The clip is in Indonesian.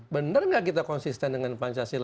benar nggak kita konsisten dengan pancasila